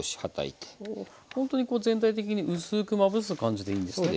ほんとにこう全体的に薄くまぶす感じでいいんですね。